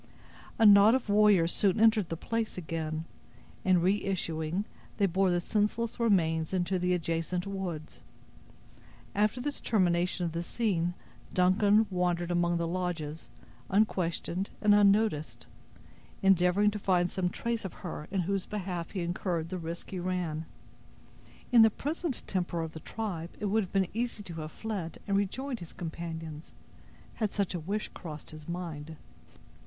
A knot of warriors soon entered the place again, and reissuing, they bore the senseless remains into the adjacent woods. After this termination of the scene, Duncan wandered among the lodges, unquestioned and unnoticed, endeavoring to find some trace of her in whose behalf he incurred the risk he ran. In the present temper of the tribe it would have been easy to have fled and rejoined his companions, had such a wish crossed his mind.